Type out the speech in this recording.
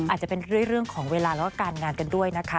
อาจจะเป็นเรื่องของเวลาแล้วก็การงานกันด้วยนะคะ